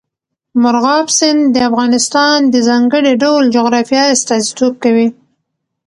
مورغاب سیند د افغانستان د ځانګړي ډول جغرافیه استازیتوب کوي.